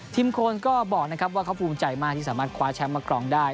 โคนก็บอกนะครับว่าเขาภูมิใจมากที่สามารถคว้าแชมป์มาครองได้